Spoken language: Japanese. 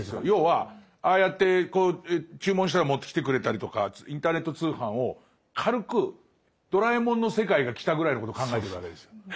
要はああやって注文したら持ってきてくれたりとかインターネット通販を軽くドラえもんの世界が来たぐらいのことを考えてたわけですよ。